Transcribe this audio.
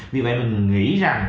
vì vậy mình nghĩ rằng